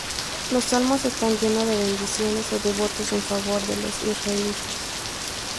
Los salmos están llenos de bendiciones o de votos en favor de los israelitas.